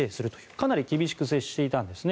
かなり厳しく接していたんですね。